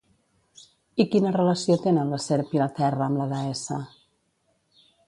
I quina relació tenen la serp i la terra amb la deessa?